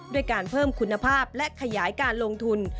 ด้วยการเพิ่มคุณภาพและขยายการลงทุน